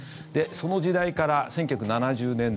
その時代から１９７０年代